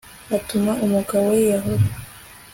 atuma umugabo yiyahura